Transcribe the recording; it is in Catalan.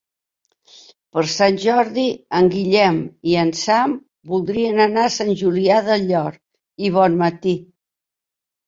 Per Sant Jordi en Guillem i en Sam voldrien anar a Sant Julià del Llor i Bonmatí.